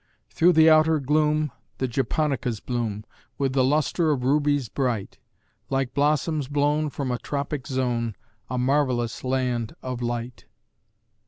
Through the outer gloom the japonicas bloom, With the lustre of rubies bright Like blossoms blown from a tropic zone, A marvellous land of light!